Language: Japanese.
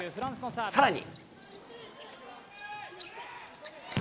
さらに。